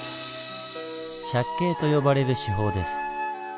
「借景」と呼ばれる手法です。